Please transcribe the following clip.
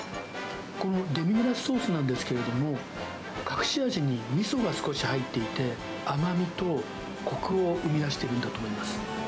このデミグラスソースなんですけれども、隠し味にみそが少し入っていて、甘みとこくを生み出しているんだと思います。